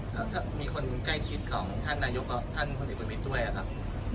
อ๋อถ้ามีคนใกล้คิดของท่านนายกว่าท่านคนเอกวิทย์ด้วยอ่ะครับ